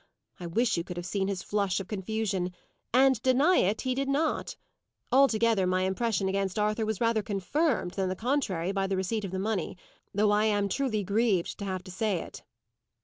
I wish you could have seen his flush of confusion! and, deny it, he did not. Altogether, my impression against Arthur was rather confirmed, than the contrary, by the receipt of the money; though I am truly grieved to have to say it."